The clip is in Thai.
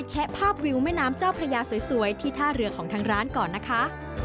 แชะภาพวิวแม่น้ำเจ้าพระยาสวยที่ท่าเรือของทางร้านก่อนนะคะ